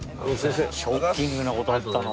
ショッキングなことあったの？